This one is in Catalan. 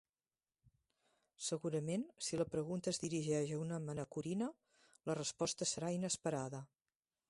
Segurament, si la pregunta es dirigeix a una manacorina, la resposta serà inesperada.